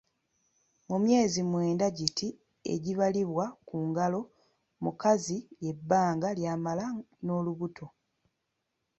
Mu myezi mwenda giti egibalibwa ku ngalo mukazi lye bbanga ly'amala n'olubuto.